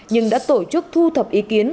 nhưng đã tổ chức thu thập ý kiến